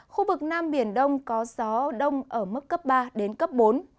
khu vực nam biển đông có gió đông ở mức cấp ba đến cấp bốn